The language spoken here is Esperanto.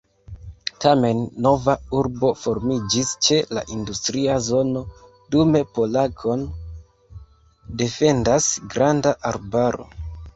Tamen, nova urbo formiĝis ĉe la industria zono, dume Polack-on defendas granda arbaro.